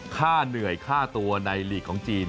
ค่าเหนื่อยค่าตัวในหลีกของจีน